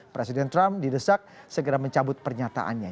presiden trump didesak segera mencabut pernyataannya